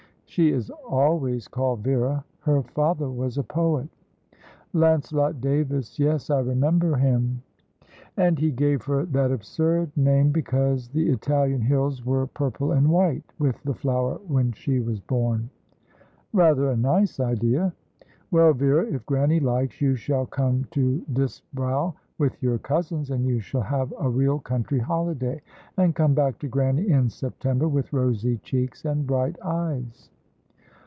"She is always called Vera. Her father was a poet " "Lancelot Davis, yes, I remember him!" "And he gave her that absurd name because the Italian hills were purple and white with the flower when she was born." "Rather a nice idea. Well, Vera, if Grannie likes, you shall come to Disbrowe with your cousins, and you shall have a real country holiday, and come back to Grannie in September with rosy cheeks and bright eyes."